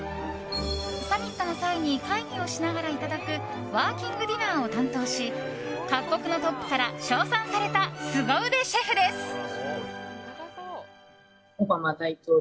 サミットの際に会議をしながらいただくワーキングディナーを担当し各国のトップから称賛されたすご腕シェフです。